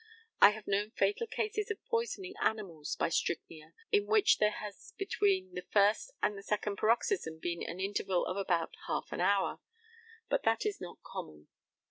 I have known fatal cases of poisoning animals by strychnia in which there has between the first and the second paroxysm been an interval of about half an hour, but that is not common.